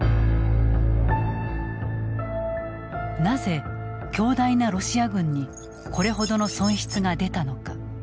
なぜ強大なロシア軍にこれほどの損失が出たのか。